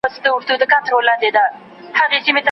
سبا به په ډېرو سیمو کې هوا وریځ وي.